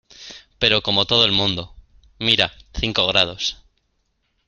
pero como todo el mundo. mira, cinco grados .